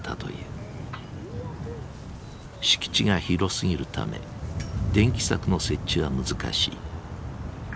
敷地が広すぎるため電気柵の設置は難しい。